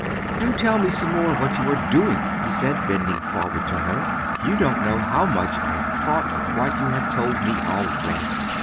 "Do tell me some more of what you are doing!" he said, bending forward to her. "You don't know how much I have thought of what you have told me already."